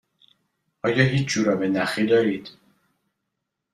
آیا هیچ جوراب نخی دارید؟